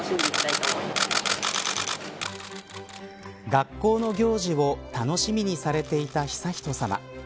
学校の行事を楽しみにされていた悠仁さま。